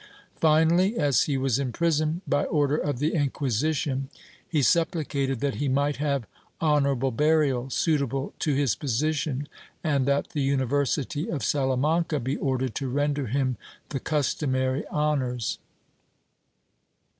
Finally, as he was in prison, by order of the Inquisition, he supplicated that he might have honorable burial, suitable to his position, and that the University of Salamanca be ordered to render him the customary honors.